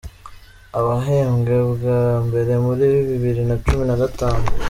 Abahembwe bwa mbere muri bibiri na cumi na gatanu